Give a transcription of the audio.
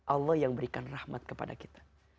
allah yang berikan rahmat kepada kita